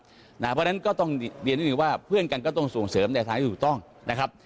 เพราะฉะนั้นก็ต้องเรียนนิดนึงว่าเพื่อนกันก็ต้องส่งเสริมในทางที่ถูกต้องนะครับ